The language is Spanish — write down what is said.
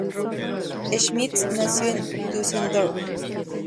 Schmitz nació en Düsseldorf.